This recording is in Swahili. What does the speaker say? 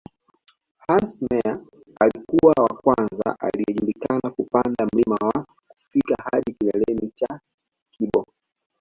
Hans Meyer alikuwa wa kwanza anayejulikana kupanda mlima na kufika hadi kilele cha Kibo